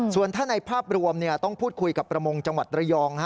ส่วนถ้าในภาพรวมต้องพูดคุยกับประมงจังหวัดระยอง